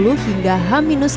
nandawin dari cnn indonesia